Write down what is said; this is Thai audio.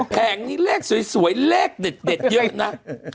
แผงนี้เลขสวยเลขเด็ดเยอะนะ